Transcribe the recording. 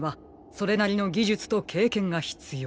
それなりのぎじゅつとけいけんがひつよう。